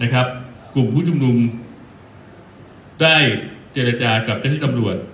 กลุ่มผู้ชุมนุมได้เจรจากับเจ้าที่ตำรวจ